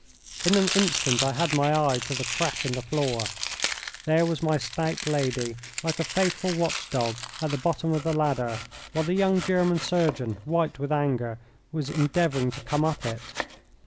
In an instant I had my eye to the crack in the floor. There was my stout lady, like a faithful watch dog, at the bottom of the ladder, while the young German surgeon, white with anger, was endeavouring to come up it.